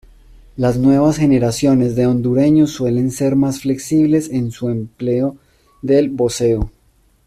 Las nuevas generaciones de hondureños suelen ser más flexibles en su empleo del voseo.